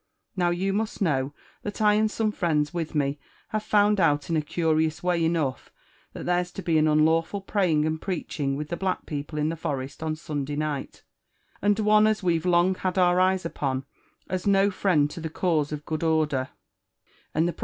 Now yon miist kao# . that I and some friends with me have found out tft a eurfoiie way enough, that there's to be an unlawful praying and preaohing with the black people in the forest on Sunday night ; and one as we'te loog bad bur eyes upon, as no friend to the cause of good order, and the proa* JONATHAN. JEFFERSON WHITLAW.